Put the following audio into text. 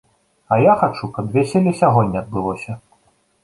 А я хачу, каб вяселле сягоння адбылося.